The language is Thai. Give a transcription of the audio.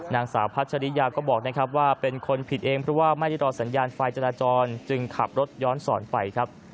นางสาวพัชริยาบอกว่าเป็นคนผิดเองเพราะไม่ได้รอสัญญาณไฟจราจรจึงขับรถย้อนสอนไป